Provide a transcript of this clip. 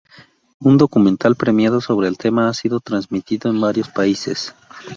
Un documental premiado sobre el tema ha sido transmitido en varios países.